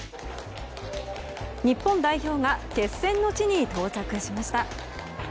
日本代表が決戦の地に到着しました。